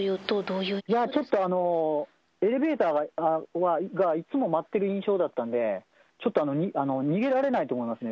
いやー、ちょっとエレベーターがいつも待ってる印象だったので、ちょっと、逃げられないと思いますね。